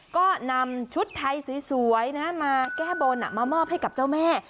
ก็นำชุดไทยสวยมาแก้บนมามอบให้กับเจ้าแม่